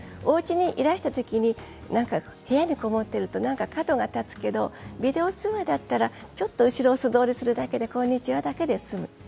おうちにいらしたときに部屋に籠もっていると何か角が立つけれどビデオ通話だったらちょっと後ろを素通りするだけでこんにちは、だけで済む。